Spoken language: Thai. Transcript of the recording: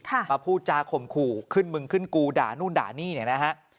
มาพูดจาข่มขู่ขึ้นมึงขึ้นกูด่านู่นด่านี่เนี่ยนะฮะ